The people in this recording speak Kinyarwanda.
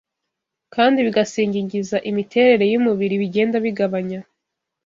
kandi bigasigingiza imiterere y’umubiri bigenda bigabanya